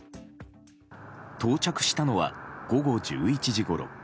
到着したのは午後１１時ごろ。